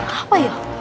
jatuh apa ya